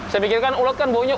saya pikirkan ulet kan bau nya